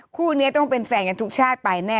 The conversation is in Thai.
คู่นี้ต้องเป็นแฟนกันทุกชาติไปแน่